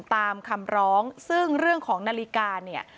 ตามคำร้องซึ่งเรื่องของนาฬิกาเนี่ย